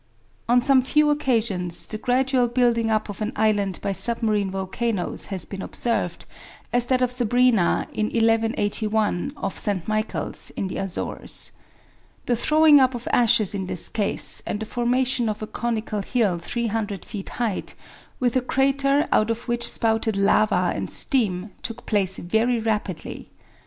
On some few occasions, the gradual building up of an island by submarine volcanoes has been observed, as that of Sabrina in 1181, off St. Michael's, in the Azores. The throwing up of ashes in this case, and the formation of a conical hill 300 feet high, with a crater out of which spouted lava and steam, took place very rapidly.